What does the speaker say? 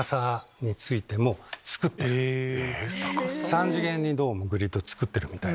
三次元にどうもグリッドをつくってるみたい。